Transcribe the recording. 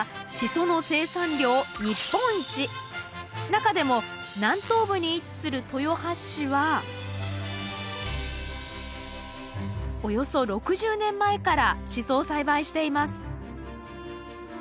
中でも南東部に位置する豊橋市はおよそ６０年前からシソを栽培しています。